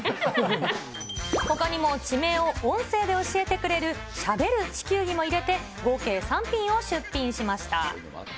ほかにも、地名を音声で教えてくれるしゃべる地球儀も入れて、合計３品を出品しました。